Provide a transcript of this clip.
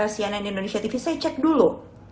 cnn indonesia tv saya cek dulu